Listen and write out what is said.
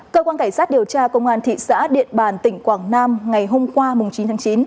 cơ quan cảnh sát điều tra công an thị xã điện bàn tỉnh quảng nam ngày hôm qua chín tháng chín